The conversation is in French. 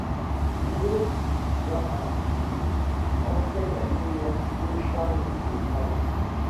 Miloš Zahradník enseigne à l'université Charles de Prague.